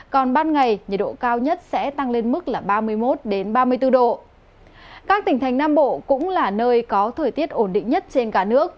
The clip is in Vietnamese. còn ban ngày có nắng từ sớm sao động từ sớm sao động từ trời oi nóng